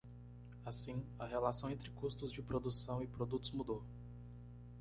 Assim, a relação entre custos de produção e produtos mudou.